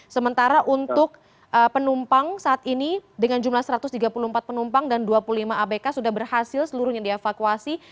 sementara untuk penumpang saat ini dengan jumlah satu ratus tiga puluh empat penumpang dan dua puluh lima abk sudah berhasil seluruhnya dievakuasi